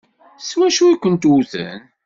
S wacu i kent-wwten?